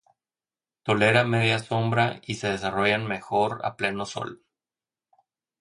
Tolera media sombra y se desarrollan mejor a pleno sol.